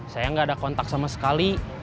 saya nggak ada kontak sama sekali